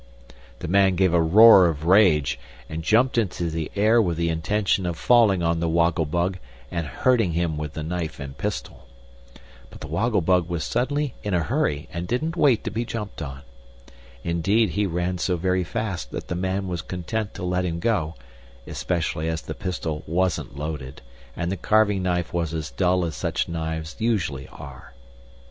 The man gave a roar of rage and jumped into the air with the intention of falling on the Woggle Bug and hurting him with the knife and pistol. But the Woggle Bug was suddenly in a hurry, and didn't wait to be jumped on. Indeed, he ran so very fast that the man was content to let him go, especially as the pistol wasn't loaded and the carving knife was as dull as such knives usually are.